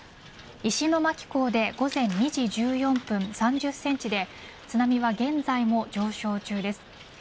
石巻港で午前２時１４分、３０センチで津波は現在も上昇中です。